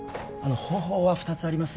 方法は二つあります